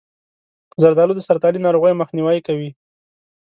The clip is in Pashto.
زردآلو د سرطاني ناروغیو مخنیوی کوي.